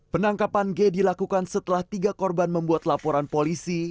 penangkapan g dilakukan setelah tiga korban membuat laporan polisi